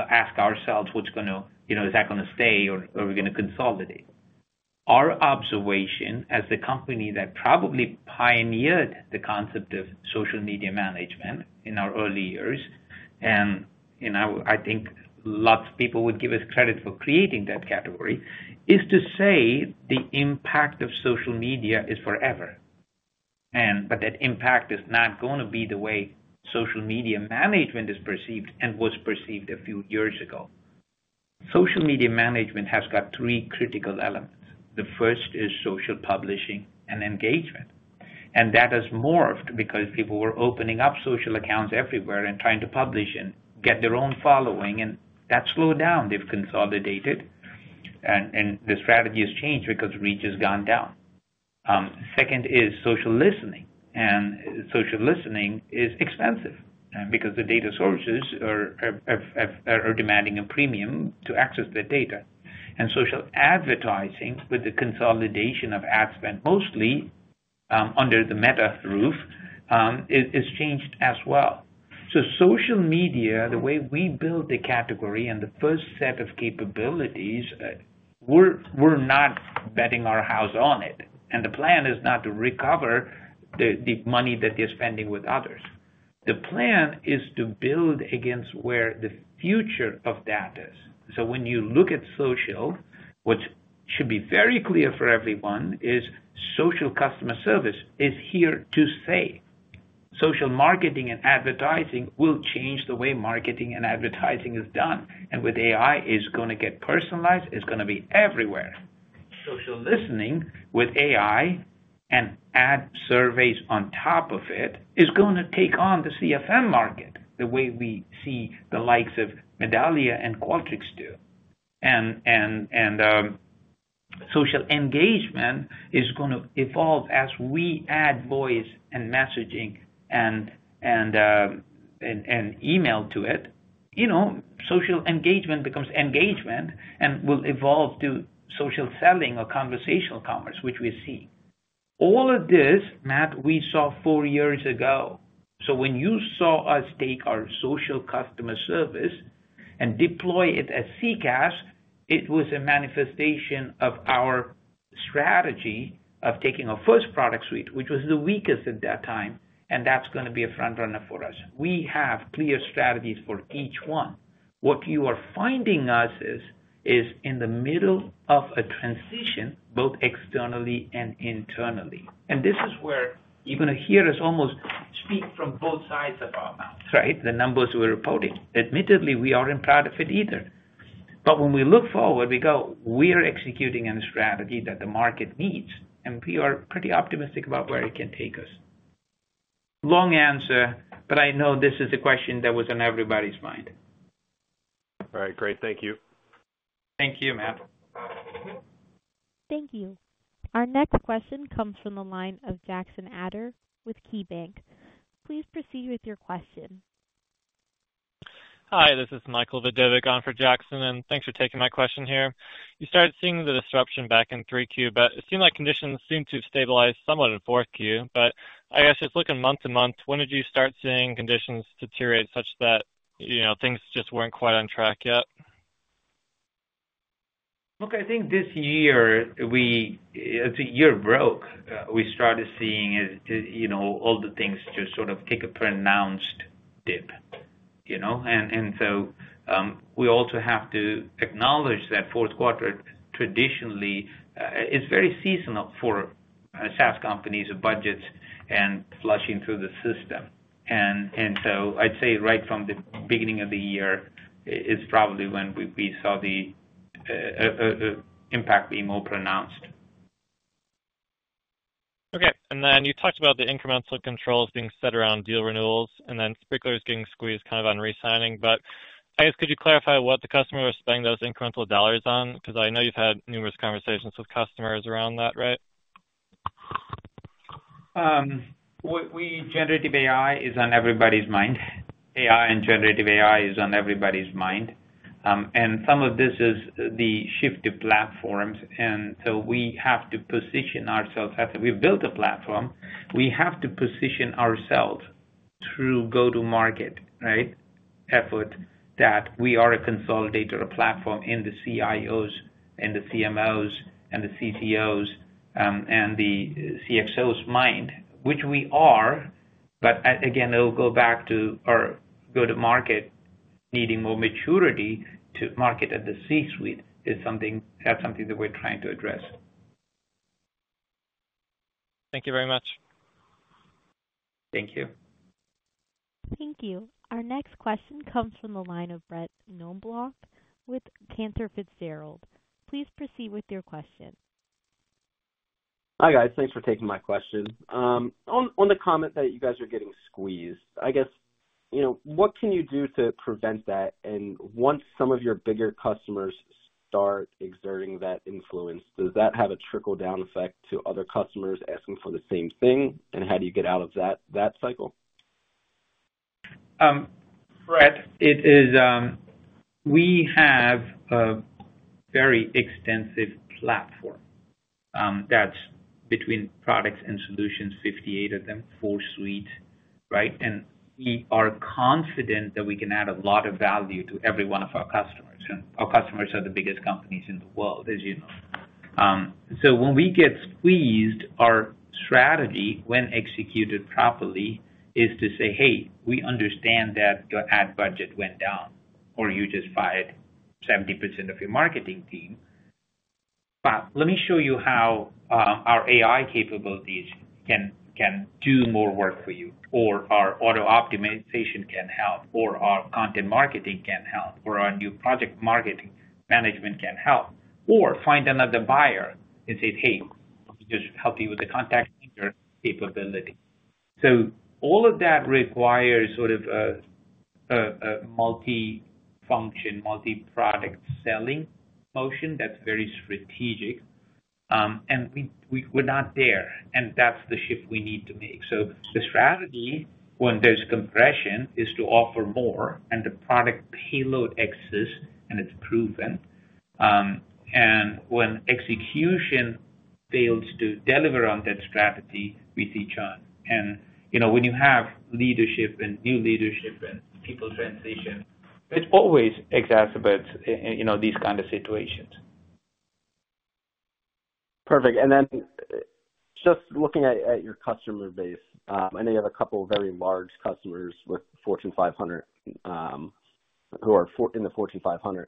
ask ourselves, what's gonna, you know, is that gonna stay or, or we're gonna consolidate? Our observation as the company that probably pioneered the concept of social media management in our early years, and, you know, I think lots of people would give us credit for creating that category, is to say the impact of social media is forever. And, but that impact is not gonna be the way social media management is perceived and was perceived a few years ago. Social media management has got three critical elements. The first is social publishing and engagement, and that has morphed because people were opening up social accounts everywhere and trying to publish and get their own following, and that slowed down. They've consolidated, and the strategy has changed because reach has gone down. Second is social listening, and social listening is expensive, because the data sources are demanding a premium to access the data. Social advertising, with the consolidation of ad spend, mostly under the Meta roof, it has changed as well. Social media, the way we build the category and the first set of capabilities, we're not betting our house on it, and the plan is not to recover the money that they're spending with others. The plan is to build against where the future of that is. So when you look at social, which should be very clear for everyone, is social customer service is here to stay. Social marketing and advertising will change the way marketing and advertising is done, and with AI, it's gonna get personalized, it's gonna be everywhere. Social listening with AI and ad surveys on top of it, is gonna take on the CFM market, the way we see the likes of Medallia and Qualtrics do. Social engagement is gonna evolve as we add voice and messaging and email to it. You know, social engagement becomes engagement and will evolve to social selling or conversational commerce, which we see. All of this, Matt, we saw four years ago. So when you saw us take our social customer service and deploy it at CCaaS, it was a manifestation of our strategy of taking our first product suite, which was the weakest at that time, and that's gonna be a front runner for us. We have clear strategies for each one. What you are finding us is, is in the middle of a transition, both externally and internally. And this is where you're gonna hear us almost speak from both sides of our mouth, right? The numbers we're reporting. Admittedly, we aren't proud of it either. But when we look forward, we go, we are executing a strategy that the market needs, and we are pretty optimistic about where it can take us. Long answer, but I know this is a question that was on everybody's mind. All right, great. Thank you. Thank you, Matt. Thank you. Our next question comes from the line of Jackson Ader with KeyBanc. Please proceed with your question. Hi, this is Michael Vidovic on for Jackson, and thanks for taking my question here. You started seeing the disruption back in 3Q, but it seemed like conditions seemed to have stabilized somewhat in 4Q. But I guess just looking month to month, when did you start seeing conditions deteriorate such that, you know, things just weren't quite on track yet? Look, I think this year, we as the year broke, we started seeing it, you know, all the things just sort of take a pronounced dip, you know? And so, we also have to acknowledge that fourth quarter traditionally is very seasonal for SaaS companies, budgets and flushing through the system. And so I'd say right from the beginning of the year is probably when we saw the impact being more pronounced. Okay. And then you talked about the incremental controls being set around deal renewals and then Sprinklr is getting squeezed kind of on re-signing. But I guess, could you clarify what the customer is spending those incremental dollars on? Because I know you've had numerous conversations with customers around that, right? Generative AI is on everybody's mind. AI and generative AI is on everybody's mind. And some of this is the shift to platforms, and so we have to position ourselves. After we've built a platform, we have to position ourselves through go-to-market, right? Effort, that we are a consolidator, a platform in the CIOs and the CMOs and the CTOs, and the CXOs mind, which we are, but, again, it'll go back to our go-to-market needing more maturity to market at the C-suite is something, that's something that we're trying to address. Thank you very much. Thank you. Thank you. Our next question comes from the line of Brett Knoblauch with Cantor Fitzgerald. Please proceed with your question. Hi, guys. Thanks for taking my question. On the comment that you guys are getting squeezed, I guess, you know, what can you do to prevent that? And once some of your bigger customers start exerting that influence, does that have a trickle-down effect to other customers asking for the same thing? And how do you get out of that cycle? Brett, it is, we have a very extensive platform, that's between products and solutions, 58 of them, full suite, right? We are confident that we can add a lot of value to every one of our customers, and our customers are the biggest companies in the world, as you know. When we get squeezed, our strategy, when executed properly, is to say, "Hey, we understand that your ad budget went down, or you just fired 70% of your marketing team. But let me show you how our AI capabilities can do more work for you, or our auto-optimization can help, or our content marketing can help, or our new project marketing management can help, or find another buyer," and say, "Hey, let me just help you with the contact center capability." So all of that requires sort of a multi-function, multi-product selling motion that's very strategic. And we're not there, and that's the shift we need to make. So the strategy, when there's compression, is to offer more, and the product payload exists, and it's proven. And when execution fails to deliver on that strategy, we see churn. And, you know, when you have leadership and new leadership and people transition, it always exacerbates, you know, these kind of situations. Perfect. Then, just looking at your customer base, I know you have a couple of very large customers with Fortune 500, who are in the Fortune 500.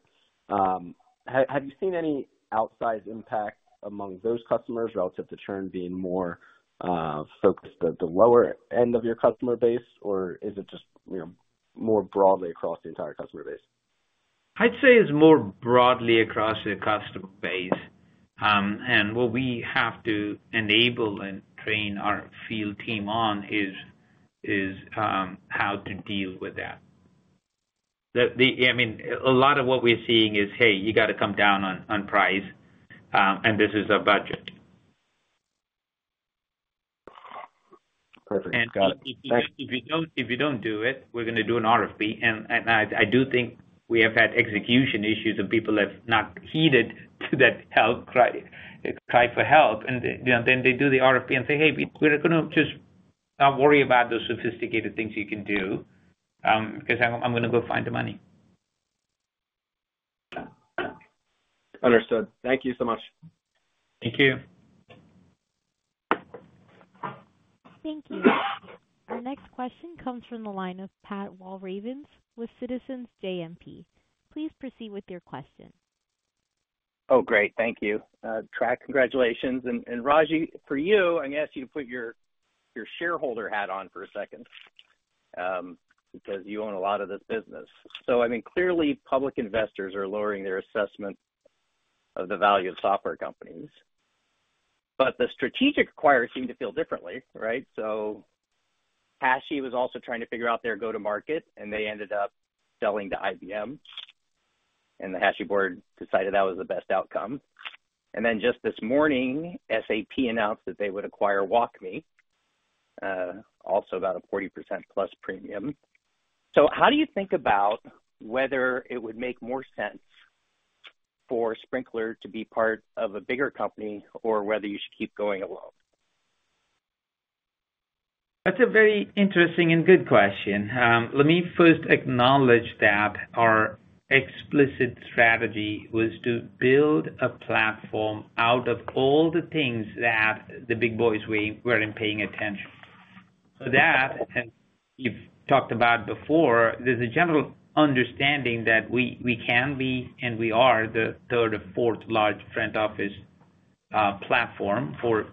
Have you seen any outsized impact among those customers relative to churn being more focused at the lower end of your customer base, or is it just, you know, more broadly across the entire customer base? I'd say it's more broadly across the customer base. What we have to enable and train our field team on is how to deal with that. I mean, a lot of what we're seeing is, "Hey, you got to come down on price, and this is our budget. Perfect. And if you don't do it, we're going to do an RFP, and I do think we have had execution issues and people have not heeded that cry for help, and then, you know, then they do the RFP and say, "Hey, we're gonna just not worry about those sophisticated things you can do, because I'm gonna go find the money. Understood. Thank you so much. Thank you. Thank you. The next question comes from the line of Pat Walravens with Citizens JMP. Please proceed with your question. Oh, great. Thank you. Trac, congratulations. And, Ragy, for you, I'm going to ask you to put your shareholder hat on for a second, because you own a lot of this business. So I mean, clearly, public investors are lowering their assessment of the value of software companies, but the strategic acquirers seem to feel differently, right? So Hashi was also trying to figure out their go-to-market, and they ended up selling to IBM, and the Hashi board decided that was the best outcome. And then just this morning, SAP announced that they would acquire WalkMe, also about a 40% plus premium. So how do you think about whether it would make more sense for Sprinklr to be part of a bigger company or whether you should keep going alone? That's a very interesting and good question. Let me first acknowledge that our explicit strategy was to build a platform out of all the things that the big boys weren't paying attention. So that, and you've talked about before, there's a general understanding that we, we can be, and we are, the third or fourth large front office platform for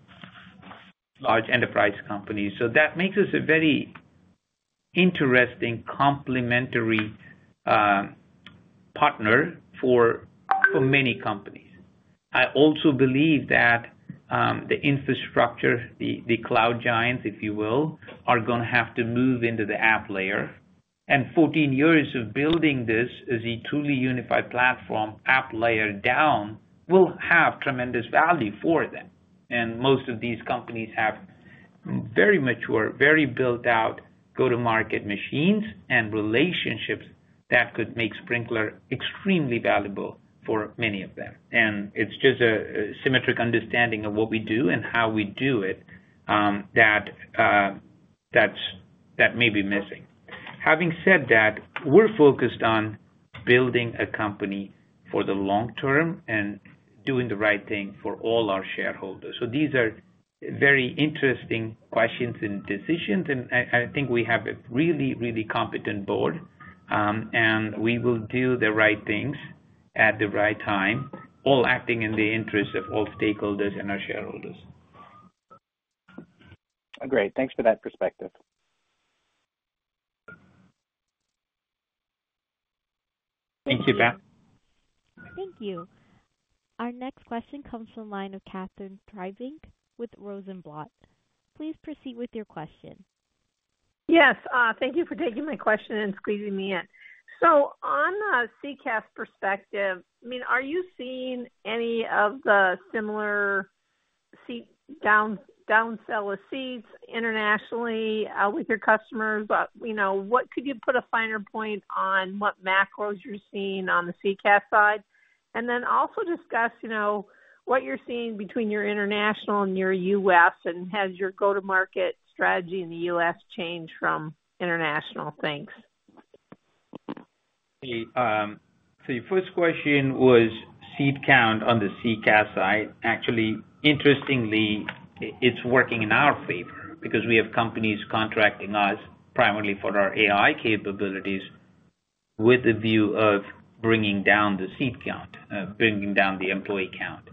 large enterprise companies. So that makes us a very interesting complementary partner for many companies. I also believe that the infrastructure, the cloud giants, if you will, are gonna have to move into the app layer. And 14 years of building this as a truly unified platform, app layer down, will have tremendous value for them. And most of these companies have very mature, very built-out, go-to-market machines and relationships.... That could make Sprinklr extremely valuable for many of them, and it's just a symmetric understanding of what we do and how we do it, that may be missing. Having said that, we're focused on building a company for the long term and doing the right thing for all our shareholders. So these are very interesting questions and decisions, and I think we have a really, really competent board. And we will do the right things at the right time, all acting in the interest of all stakeholders and our shareholders. Great. Thanks for that perspective. Thank you, Pat. Thank you. Our next question comes from the line of Catharine Trebnick with Rosenblatt. Please proceed with your question. Yes, thank you for taking my question and squeezing me in. So on the CCaaS perspective, I mean, are you seeing any of the similar seat down, down sell of seats internationally, with your customers? But, you know, what could you put a finer point on what macros you're seeing on the CCaaS side? And then also discuss, you know, what you're seeing between your international and your U.S., and has your go-to-market strategy in the U.S., changed from international? Thanks. So your first question was seat count on the CCaaS side. Actually, interestingly, it's working in our favor because we have companies contracting us primarily for our AI capabilities, with a view of bringing down the seat count, bringing down the employee count,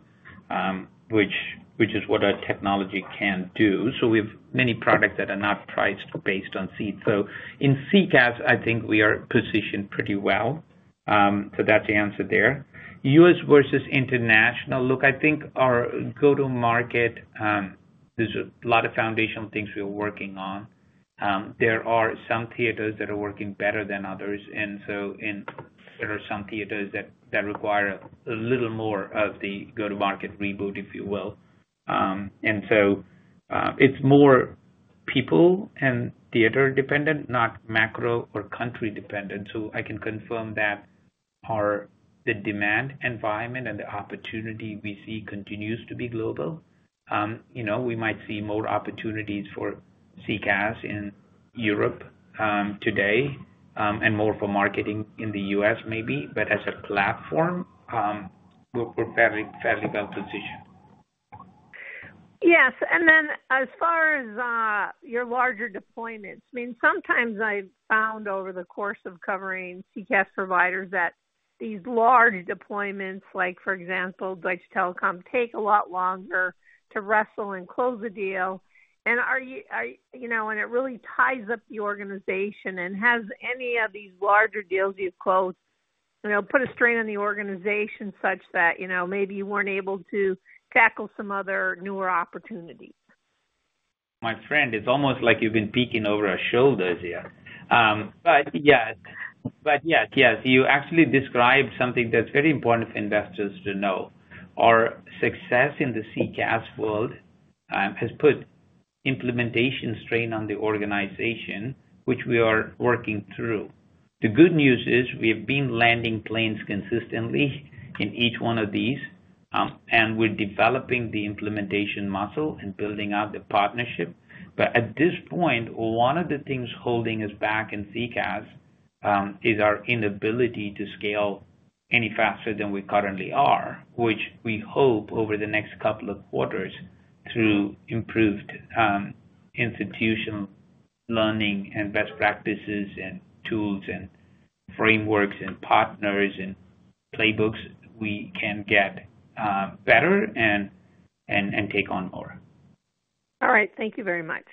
which is what our technology can do. So we have many products that are not priced based on seats. So in CCaaS, I think we are positioned pretty well. So that's the answer there. U.S., versus international. Look, I think our go-to-market, there's a lot of foundational things we're working on. There are some theaters that are working better than others, and so there are some theaters that require a little more of the go-to-market reboot, if you will. And so, it's more people and theater dependent, not macro or country dependent. So I can confirm that our the demand environment and the opportunity we see continues to be global. You know, we might see more opportunities for CCaaS in Europe, today, and more for marketing in the U.S., maybe, but as a platform, we're very, very well positioned. Yes, and then as far as your larger deployments, I mean, sometimes I've found over the course of covering CCaaS providers, that these large deployments, like for example, Deutsche Telekom, take a lot longer to wrestle and close the deal. And are you... You know, and it really ties up the organization and has any of these larger deals you've closed, you know, put a strain on the organization such that, you know, maybe you weren't able to tackle some other newer opportunities? My friend, it's almost like you've been peeking over our shoulders here. But yes, but yes, yes, you actually described something that's very important for investors to know. Our success in the CCaaS world has put implementation strain on the organization, which we are working through. The good news is we have been landing planes consistently in each one of these, and we're developing the implementation muscle and building out the partnership. But at this point, one of the things holding us back in CCaaS is our inability to scale any faster than we currently are, which we hope over the next couple of quarters, through improved institutional learning and best practices and tools and frameworks and partners and playbooks, we can get better and, and, and take on more. All right. Thank you very much.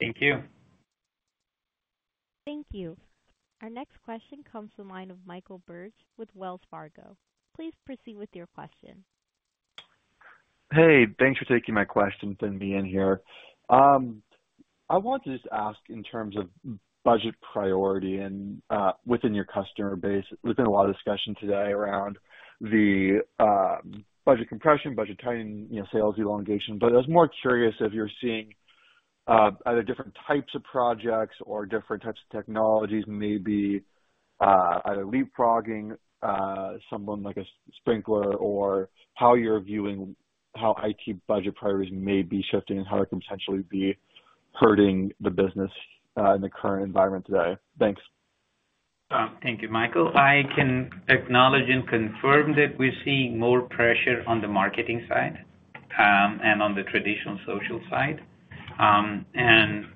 Thank you. Thank you. Our next question comes from the line of Michael Turrin with Wells Fargo. Please proceed with your question. Hey, thanks for taking my question and being here. I want to just ask in terms of budget priority and, within your customer base, there's been a lot of discussion today around the, budget compression, budget tightening, you know, sales elongation. But I was more curious if you're seeing, either different types of projects or different types of technologies, maybe, either leapfrogging, someone like a Sprinklr or how you're viewing how IT budget priorities may be shifting and how it can potentially be hurting the business, in the current environment today. Thanks. Thank you, Michael. I can acknowledge and confirm that we're seeing more pressure on the marketing side, and on the traditional social side. And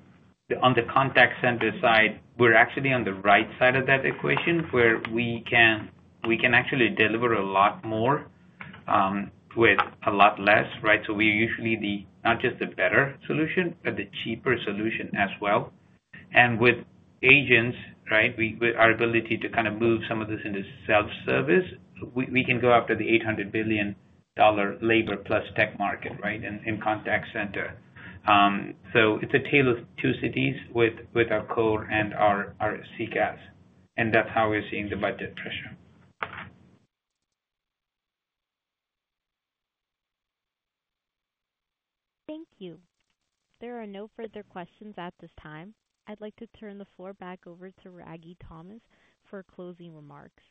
on the contact center side, we're actually on the right side of that equation, where we can, we can actually deliver a lot more, with a lot less, right? So we're usually the, not just the better solution, but the cheaper solution as well. And with agents, right, we- with our ability to kind of move some of this into self-service, we, we can go after the $800 billion labor plus tech market, right, in, in contact center. So it's a tale of two cities with, with our core and our, our CCaaS, and that's how we're seeing the budget pressure. Thank you. There are no further questions at this time. I'd like to turn the floor back over to Ragy Thomas for closing remarks.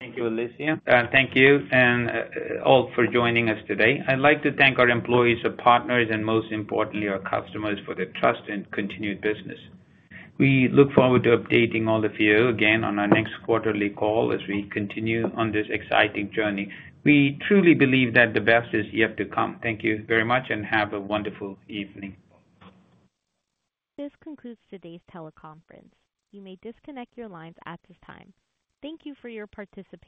Thank you, Alicia. Thank you and all for joining us today. I'd like to thank our employees, our partners, and most importantly, our customers for their trust and continued business. We look forward to updating all of you again on our next quarterly call, as we continue on this exciting journey. We truly believe that the best is yet to come. Thank you very much and have a wonderful evening. This concludes today's teleconference. You may disconnect your lines at this time. Thank you for your participation.